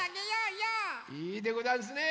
いいでござんすね！